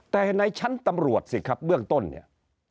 แต่ในชั้นตำรวจสิครับเบื้องต้นเนี่ย